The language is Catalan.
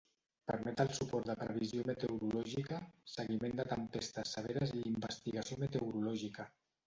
Permet el suport de previsió meteorològica, seguiment de tempestes severes i investigació meteorològica.